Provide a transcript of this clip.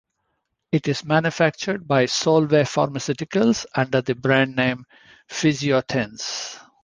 It is manufactured by Solvay Pharmaceuticals under the brand name Physiotens.